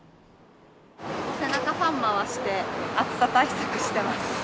背中ファン回して、暑さ対策してます。